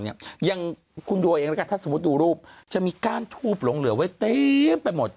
อย่างคุณดูเอาเองแล้วกันถ้าสมมุติดูรูปจะมีก้านทูบหลงเหลือไว้เต็มไปหมด